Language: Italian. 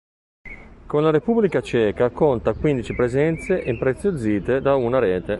Con la Repubblica Ceca conta quindici presenze impreziosite da una rete.